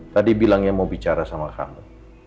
tadi bilangnya mau bicara sama kami